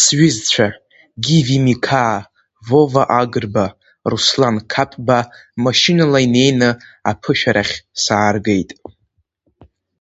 Сҩызцәа Гиви Миқаа, Вова Агрба, Руслан Қапба машьынала инеины аԥышәарахь сааргеит.